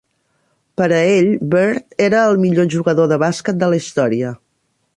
Per a ell, Bird era el millor jugador de bàsquet de la història.